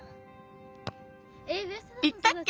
いったっけ？